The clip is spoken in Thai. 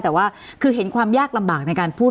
แต่ว่าคือเห็นความยากลำบากในการพูด